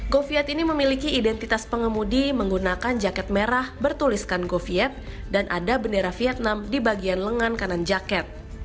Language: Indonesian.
goviet ini memiliki identitas pengemudi menggunakan jaket merah bertuliskan goviet dan ada bendera vietnam di bagian lengan kanan jaket